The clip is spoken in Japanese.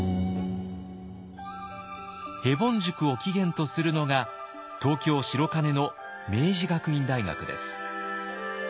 ヘボン塾を起源とするのが東京・白金の明治学院大学です。